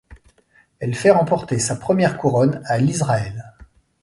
Elle fait remporter sa première couronne à l'Israël.